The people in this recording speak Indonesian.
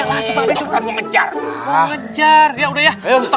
aduh ya udah ya